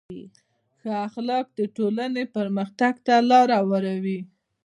ښه اخلاق د ټولنې پرمختګ ته لاره هواروي.